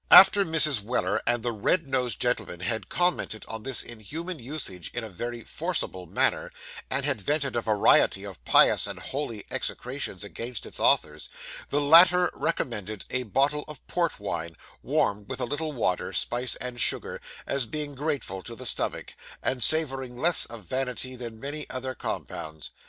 After Mrs. Weller and the red nosed gentleman had commented on this inhuman usage in a very forcible manner, and had vented a variety of pious and holy execrations against its authors, the latter recommended a bottle of port wine, warmed with a little water, spice, and sugar, as being grateful to the stomach, and savouring less of vanity than many other compounds.